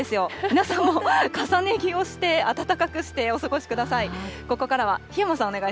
皆さんも重ね着をして暖かくしてお過ごしください。